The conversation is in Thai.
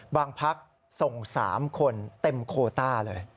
บางพักส่ง๓คนเต่มโกรธะเลย